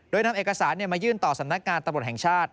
โดยนำเอกสารมายื่นต่อสำนักงานตำรวจแห่งชาติ